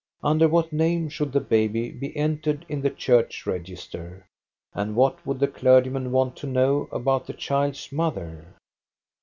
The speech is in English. Under what name should the baby be entered in the church register, and what would the clergyman want to know about the child's mother?